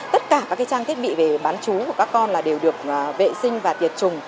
tất cả các trang thiết bị về bán chú của các con là đều được vệ sinh và tiệt trùng